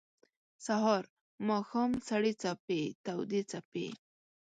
سهار ، ماښام سړې څپې تودي څپې